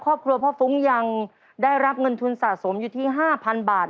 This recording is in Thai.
ครอบครัวพ่อฟุ้งยังได้รับเงินทุนสะสมอยู่ที่๕๐๐๐บาท